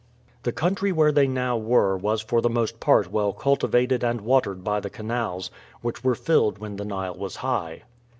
The country where they now were was for the most part well cultivated and watered by the canals, which were filled when the Nile was high.